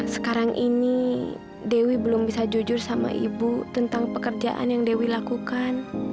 sekarang ini dewi belum bisa jujur sama ibu tentang pekerjaan yang dewi lakukan